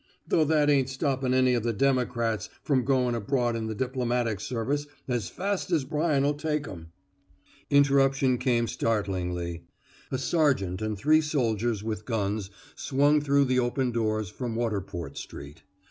Though that ain't stopping any of the Democrats from going abroad in the Diplomatic Service as fast as Bryan'll take 'em." Interruption came startlingly. A sergeant and three soldiers with guns swung through the open doors from Waterport Street.